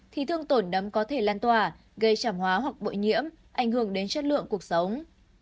thì thương tổn nấm có thể lan tỏa gây chảm hóa hoặc bội nhiễm ảnh hưởng đến chất lượng cuộc sống